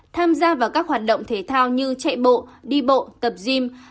tham gia vào các hoạt động thể thao như chạy bộ đi bộ tập gym